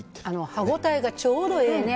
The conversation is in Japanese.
歯ごたえがちょうどええね。